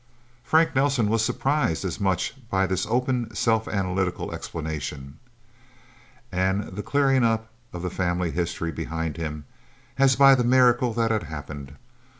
Frank Nelsen was surprised as much by this open, self analytical explanation, and the clearing up of the family history behind him, as by the miracle that had happened.